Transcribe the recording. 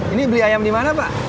ini beli ayam di mana pak